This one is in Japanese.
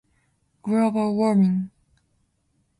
global warming